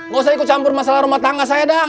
gak usah ikut campur masalah rumah tangga saya dong